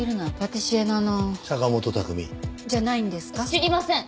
知りません！